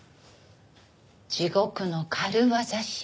「地獄の軽業師」。